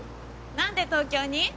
なんで東京に？